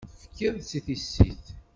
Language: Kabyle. Tefkid-tt i tissit.